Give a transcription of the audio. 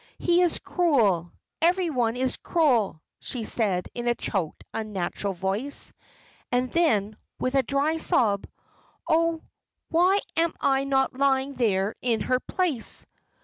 "He is cruel. Every one is cruel," she said, in a choked, unnatural voice. And then, with a dry sob, "Oh, why am I not lying there in her place!"